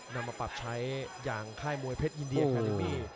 นำมาปรับใช้อย่างค่ายมวยเพชรอินเดียคาเดมี่